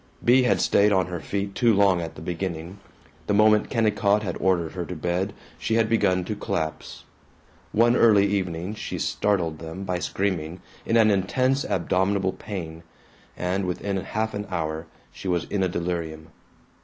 Bea had stayed on her feet too long at the beginning. The moment Kennicott had ordered her to bed she had begun to collapse. One early evening she startled them by screaming, in an intense abdominal pain, and within half an hour she was in a delirium.